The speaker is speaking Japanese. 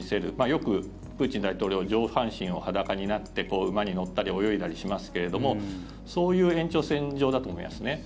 よくプーチン大統領上半身を裸になって馬に乗ったり泳いだりしますけれどもそういう延長線上だと思いますね。